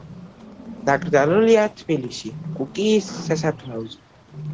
დაკრძალულია თბილისში, კუკიის სასაფლაოზე.